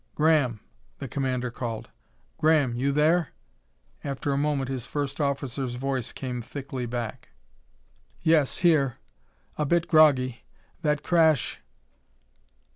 "Graham!" the commander called. "Graham, you there?" After a moment his first officer's voice came thickly back. "Yes here. A bit groggy. That crash...."